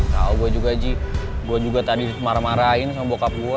tau gua juga ji gua juga tadi marah marahin sama bokap gua